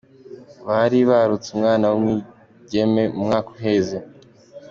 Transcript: Baribarutse umwana w’umwigeme mu mwaka uheze.